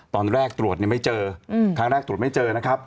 ตอนแรกตรวจไม่เจอครั้งแรกตรวจไม่เจอนะครับ